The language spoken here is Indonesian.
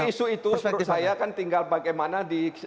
isu isu itu menurut saya tinggal bagaimana